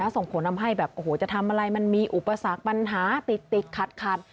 ส่งผลทำให้แบบโอ้โหจะทำอะไรมันมีอุปสรรคปัญหาติดขัด